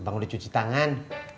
abang udah cuci tangan